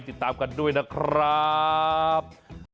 ติดตามกันด้วยนะครับ